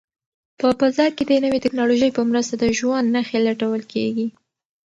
په فضا کې د نوې ټیکنالوژۍ په مرسته د ژوند نښې لټول کیږي.